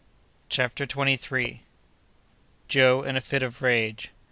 CHAPTER TWENTY THIRD. Joe in a Fit of Rage.